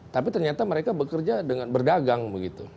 tapi ternyata mereka bekerja dengan berdagang begitu